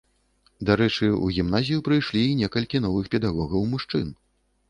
Дарэчы, у гімназію прыйшлі і некалькі новых педагогаў-мужчын.